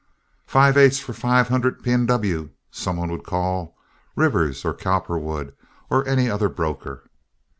"Five eighths for five hundred P. and W.," some one would call—Rivers or Cowperwood, or any other broker.